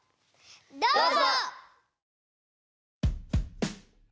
どうぞ！